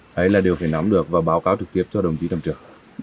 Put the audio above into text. đấy là đều phải nắm được và báo cáo trực tiếp cho đồng chí trầm trực